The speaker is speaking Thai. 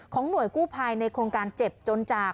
หน่วยกู้ภัยในโครงการเจ็บจนจาก